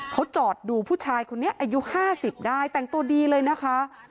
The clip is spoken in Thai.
เขาจอดดูผู้ชายคนนี้อายุ๕๐ได้แต่งตัวดีเลยนะคะ